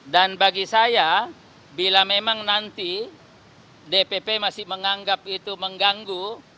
dan bagi saya bila memang nanti dpp masih menganggap itu mengganggu